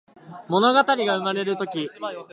ものがたりがうまれるとき